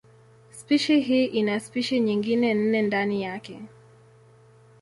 Spishi hii ina spishi nyingine nne ndani yake.